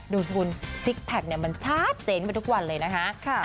ดูสิคุณซิกแพคมันชัดเจนไปทุกวันเลยนะคะ